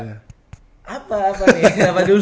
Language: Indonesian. apa apa nih kenapa dulu